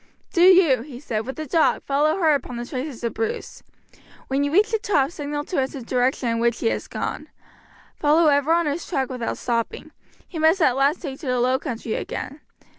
"Do you," he said, "with the dog, follow hard upon the traces of Bruce. When you reach the top signal to us the direction in which he has gone. Follow ever on his track without stopping; he must at last take to the low country again.